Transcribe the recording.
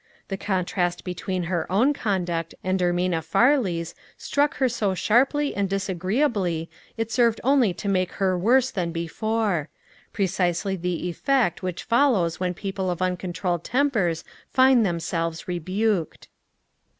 The con trast between her own conduct and Ermina Farley's struck her so sharply and disagreeably it served only to make her worse than before ; precisely the effect which follows when people of uncontrolled tempers find themselves rebuked.